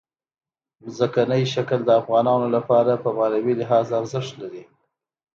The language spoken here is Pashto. ځمکنی شکل د افغانانو لپاره په معنوي لحاظ ارزښت لري.